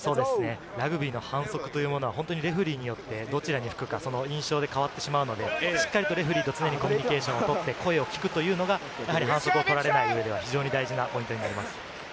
ラグビーの反則は本当にレフェリーによって、どちらに吹くか、その印象で変わってしまうので、しっかりとレフェリーと常にコミュニケーションをとって、声を聞くというのが、反則を取られない上では大事なポイントです。